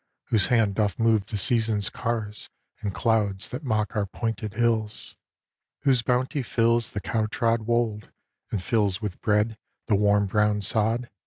Whose hand doth move the season's cars And clouds that mock our pointed hills. Whose bounty fills the cow trod wold, And fills with bread the warm brown sod.